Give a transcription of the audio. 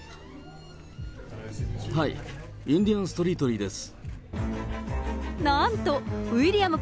はい、インディアン・ストリートリーです。